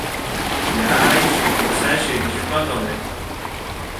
Иааишьагьы ицашьагьы шԥаҟалеи?